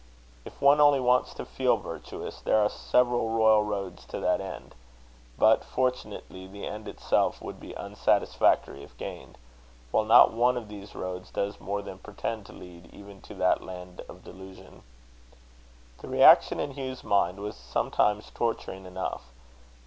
If one only wants to feel virtuous, there are several royal roads to that end. But, fortunately, the end itself would be unsatisfactory if gained; while not one of these roads does more than pretend to lead even to that land of delusion. The reaction in Hugh's mind was sometimes torturing enough.